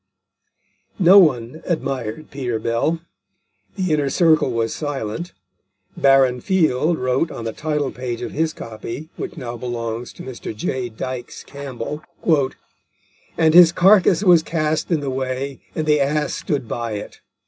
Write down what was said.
No one admired Peter Bell. The inner circle was silent. Baron Field wrote on the title page of his copy, which now belongs to Mr. J. Dykes Campbell, "And his carcass was cast in the way, and the Ass stood by it."